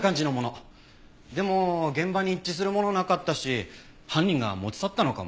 でも現場に一致するものなかったし犯人が持ち去ったのかも。